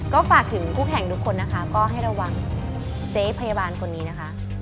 ก็ฝากถึงคู่แข่งทุกคนนะคะก็ให้ระวังเจ๊พยาบาลคนนี้นะคะ